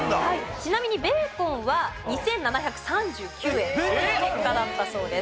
ちなみにベーコンは２７３９円という結果だったそうです。